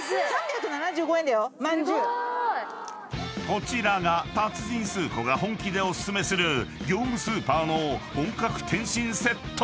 ［こちらが達人スー子が本気でお薦めする業務スーパーの本格点心セット］